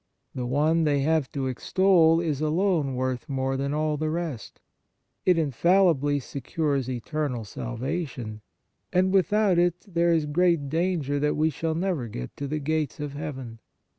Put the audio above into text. The one they have to extol is alone worth more than all the rest ; it in fallibly secures eternal salvation ; and without it, there is great danger that we shall never get to the gates of heaven.